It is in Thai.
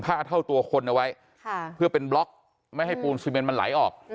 เท่าตัวคนเอาไว้ค่ะเพื่อเป็นบล็อกไม่ให้ปูนซีเมนมันไหลออก